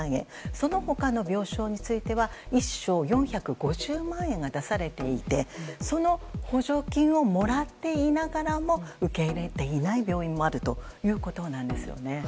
その他の病床については１床４５０万円が出されていてその補助金をもらっていながらも受け入れていない病院もあるということです。